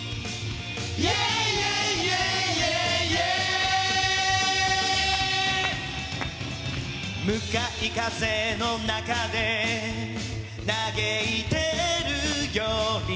「Ｙｅａｈｙｅａｈｙｅａｈ」「向かい風の中で嘆いてるよりも」